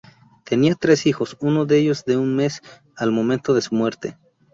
Tenía tres hijos, uno de ellos de un mes al momento de su muerte.